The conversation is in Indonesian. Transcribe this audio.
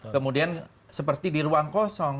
kemudian seperti di ruang kosong